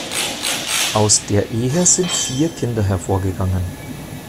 Aus der Ehe sind vier Kinder hervorgegangen.